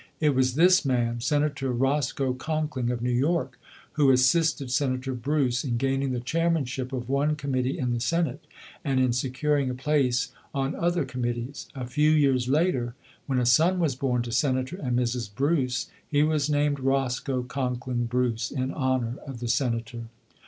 It was this man, Senator Roscoe Conkling of New York, who assisted Senator Bruce in gain ing the chairmanship of one committee in the Senate and in securing a place on other commit tees. A few years later, when a son was born to Senator and Mrs. Bruce, he was named Roscoe Conkling Bruce, in honor of the Senator.